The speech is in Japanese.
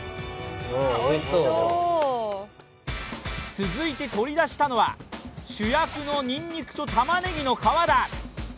続いて取り出したのは、主役のにんにくとたまねぎの皮だ。